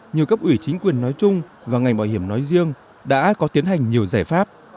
nhiều cấp ủy chính quyền nói chung và ngành bảo hiểm nói riêng đã có tiến hành nhiều giải pháp